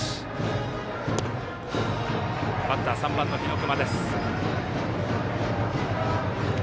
バッター、３番の日隈。